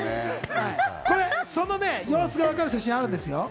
その様子がわかる写真があるんですよ。